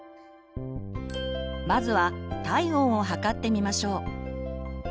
まずは体温を測ってみましょう。